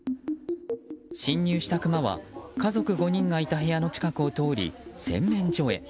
侵入したクマは家族５人がいた部屋の近くを通り洗面所へ。